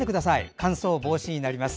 乾燥防止になります。